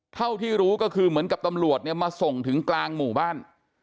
เท่าที่รู้ก็คือเหมือนกับตำรวจเนี่ยมาส่งถึงกลางหมู่บ้าน